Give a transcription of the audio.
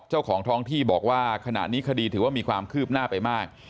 เจ้าของท้องที่บอกว่าขณะนี้คดีถือว่ามีความคืบหน้าไปมาก